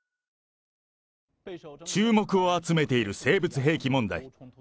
注目を集めている生物兵器問題。